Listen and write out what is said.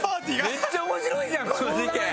めっちゃ面白いじゃんこの事件。